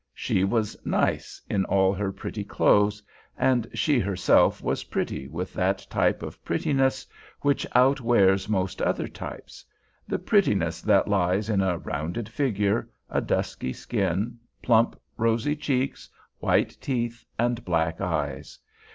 She was "nice" in all her pretty clothes, and she herself was pretty with that type of prettiness which outwears most other types—the prettiness that lies in a rounded figure, a dusky skin, plump, rosy cheeks, white teeth and black eyes.